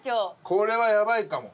これはやばいかも。